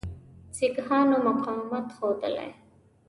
سیکهانو مقاومت ښودلی.